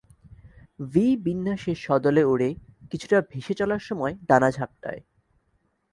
V বিন্যাসে সদলে ওড়ে, কিছুটা ভেসে চলার সময় ডানা ঝাপটায়।